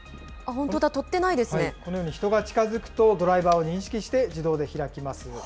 このように、人が近づくと、ドライバーを認識して、自動で開きます。